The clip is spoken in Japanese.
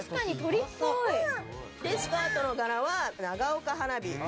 スカートの柄は長岡花火。